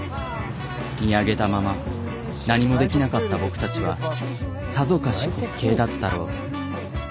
見上げたまま何もできなかった僕たちはさぞかし滑稽だったろう。